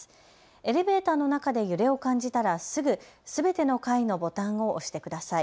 エレベーターの中で揺れを感じたらすぐすべての階のボタンを押してください。